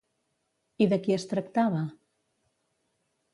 I de qui es tractava?